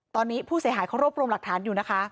ตอนนี้ผู้เสียหายเขารวบรวมหลักฐานอยู่นะคะ